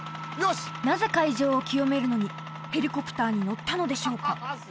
なぜ会場を清めるのにヘリコプターに乗ったのでしょうか？